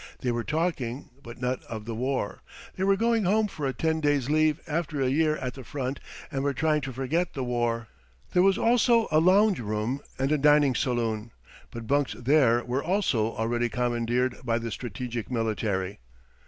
They were talking, but not of the war. They were going home for a ten days' leave after a year at the front and were trying to forget the war. There was also a lounge room and a dining saloon, but bunks there were also already commandeered by the strategic military.